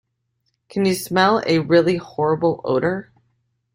Can you smell a really horrible odour?